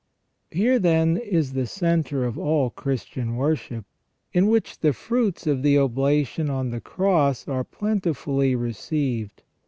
Here, then, is the centre of all Christian worship, in which the fruits of the oblation on the Cross are plentifully received.